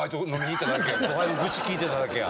愚痴聞いてただけや。